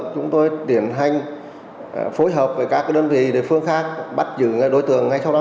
chúng tôi tiến hành phối hợp với các đơn vị địa phương khác bắt giữ đối tượng ngay sau đó